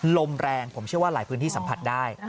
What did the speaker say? ลมแรงผมเชื่อว่าหลายพื้นที่สัมผัสได้